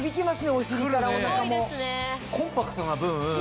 お尻からおなかも。